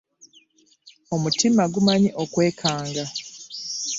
Omutima gumanyi okwekanga.